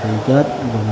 cha mẹ con cháu không ai lo